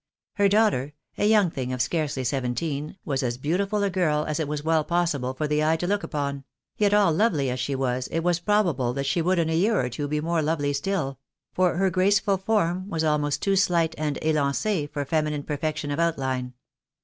Her daughter, a young thing of scarcely seventeen, was as beautiful a girl as it was well possible for the eye to look upon ; yet all lovely as she was, it was probable that she would in a year or two be more lovely still ; for her graceful form was almost too slight and elancee for feminine perfection of outline.